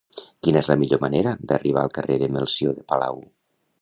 Quina és la millor manera d'arribar al carrer de Melcior de Palau?